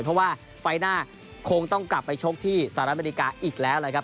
เพราะว่าไฟล์หน้าคงต้องกลับไปชกที่สหรัฐอเมริกาอีกแล้วนะครับ